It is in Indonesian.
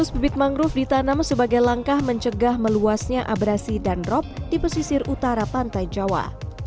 dua ratus bibit mangrove ditanam sebagai langkah mencegah meluasnya abrasi dan drop di pesisir utara pantai jawa